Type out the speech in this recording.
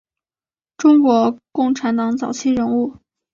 中国共产党早期人物。